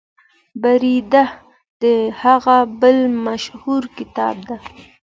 بریده د هغه بل مشهور کتاب دی.